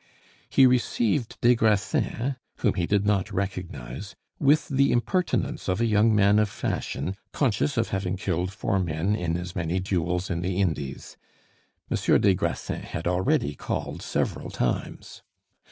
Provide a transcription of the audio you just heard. He received des Grassins, whom he did not recognize, with the impertinence of a young man of fashion conscious of having killed four men in as many duels in the Indies. Monsieur des Grassins had already called several times.